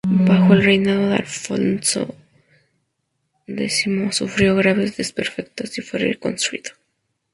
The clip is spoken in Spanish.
Bajo el reinado de Alfonso X sufrió graves desperfectos y fue reconstruido.